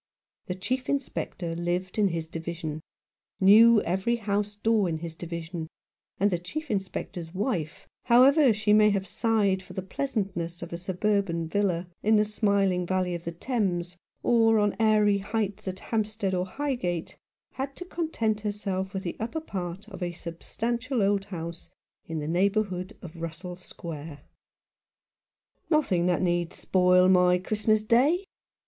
The Chief Inspector lived in his Division, knew every house door in his Division, and the Chief Inspector's wife, however she may have sighed for the pleasantness of a suburban villa, in the smiling valley of the Thames, or on airy heights at Hampstead or Highgate, had to content herself with the upper part of a substantial old house in the neighbourhood of Russell Square. "Nothing that need spoil my Christmas Day!"